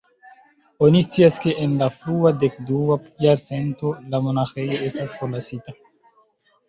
Oni scias ke en la frua dek-dua jarcento la monaĥejo estas forlasita.